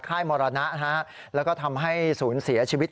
ค่ายมรนะแล้วก็ทำให้สูญเสียชีวิต